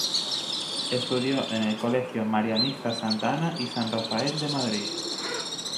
Estudió en el colegio marianista Santa Ana y San Rafael de Madrid.